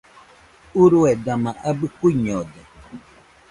Urue dama abɨ kuiñode